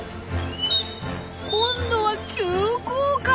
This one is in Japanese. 今度は急降下！